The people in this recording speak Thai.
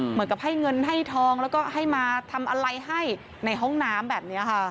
เหมือนกับให้เงินให้ทองแล้วก็ให้มาทำอะไรให้ในห้องน้ำแบบนี้ค่ะ